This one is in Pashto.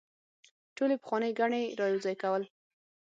ټولې پخوانۍ ګڼې رايوځاي کول